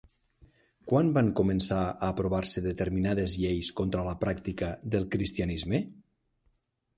Quan van començar a aprovar-se determinades lleis contra la pràctica del cristianisme?